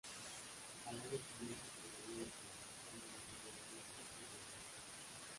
Al año siguiente promovió la celebración de la primera misa en gallego.